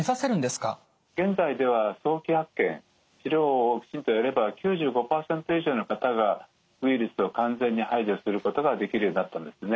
現在では早期発見治療をきちんとやれば９５％以上の方がウイルスを完全に排除することができるようになったんですね。